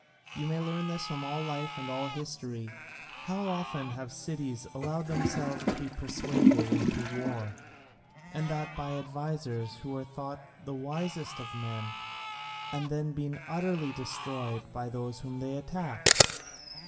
You may learn this from all life and all history. How often have cities allowed themselves to be persuaded into war, and that by advisers who were thought the wisest of men, and then been utterly destroyed by those whom they attacked!